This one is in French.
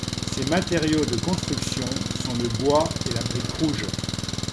Ses matériaux de construction sont le bois et la brique rouge.